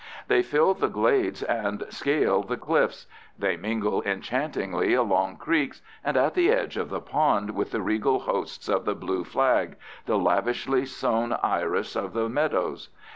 They fill the glades and scale the cliffs. They mingle enchantingly along creeks and at the edge of the pond with the regal hosts of the blue flag—the lavishly sown iris of the meadows.